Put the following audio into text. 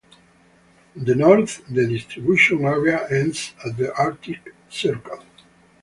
In the north, the distribution area ends at the Arctic circle.